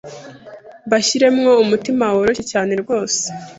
mbashyiremo umutima woroshye cyane rwose